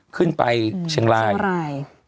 ขึ้นไปเชียงราย